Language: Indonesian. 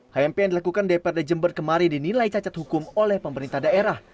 hmp yang dilakukan dprd jember kemarin dinilai cacat hukum oleh pemerintah daerah